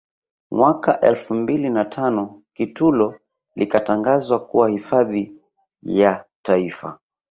Mwaka elfu mbili na tano Kitulo likatangazwa kuwa hifadhi ya Taifa